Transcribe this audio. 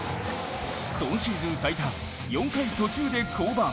今シーズン最短、４回途中で降板。